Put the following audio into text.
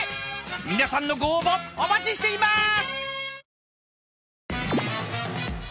［皆さんのご応募お待ちしています］